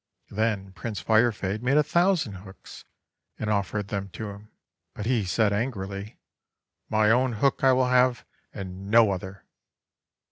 Then Prince Firefade made a thousand hooks, and offered them to him, but he said angrily :— "My own hook I will have, and no other."